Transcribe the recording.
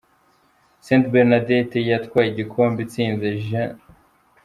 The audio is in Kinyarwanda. St Bernadette yatwaye igikombe itsinze G.